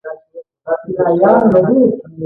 په دوه زره پنځلسم کال کې یې سوريې ته ځواکونه واستول.